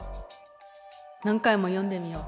何回も読んでみよう。